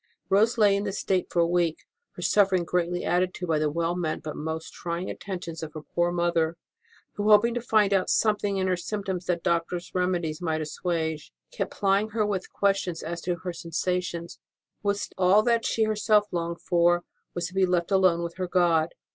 Rose lay in this state for a week, her suffering greatly added to by the well meant but most trying attentions of her poor mother, who, hoping 176 ST. ROSE OF LIMA to find out something in her symptoms that doctors remedies might assuage, kept plying her with questions as to her sensations, whilst all that she herself longed for was to be left alone with her God.